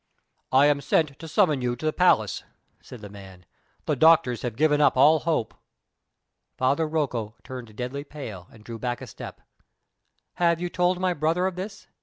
"I am sent to summon you to the palace," said the man. "The doctors have given up all hope." Father Rocco turned deadly pale, and drew back a step. "Have you told my brother of this?"